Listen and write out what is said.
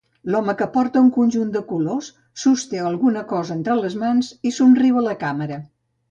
L'home que porta un conjunt de colors sosté alguna cosa entre les mans i somriu a la càmera.